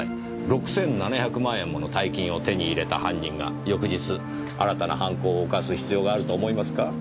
６７００万円もの大金を手に入れた犯人が翌日新たな犯行を犯す必要があると思いますか？